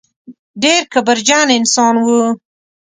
ډېر کبرجن انسان و.